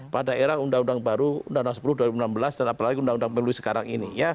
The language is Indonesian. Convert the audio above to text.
pada era undang undang baru undang undang sepuluh dua ribu enam belas dan apalagi undang undang pemilu sekarang ini